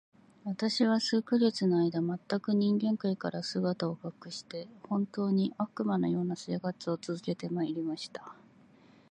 私は数ヶ月の間、全く人間界から姿を隠して、本当に、悪魔の様な生活を続けて参りました。